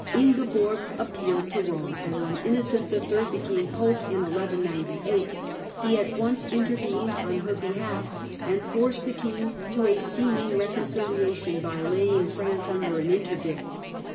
Ingeborg appealed to Rome, and when Innocent III. became Pope in 1198 he at once intervened on her behalf, and forced the king to a seeming reconciliation by laying France under an interdict.